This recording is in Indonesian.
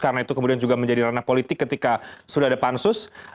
karena itu kemudian juga menjadi ranah politik ketika sudah ada pansus